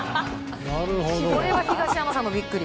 これは東山さんもビックリ。